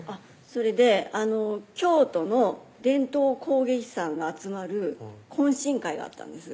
それで京都の伝統工芸士さんが集まる懇親会があったんです